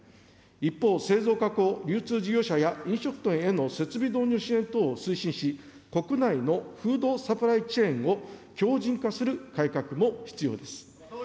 一方、製造・加工・流通事業者や、飲食店への設備投入支援等を推進し、国内のフードサプライチェーンを強じん化する改革も必要です。